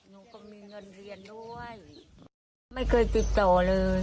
หนูก็มีเงินเรียนด้วยไม่เคยติดต่อเลย